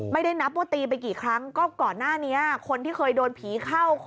ไม่ได้นับว่าตีไปกี่ครั้งก็ก่อนหน้านี้คนที่เคยโดนผีเข้า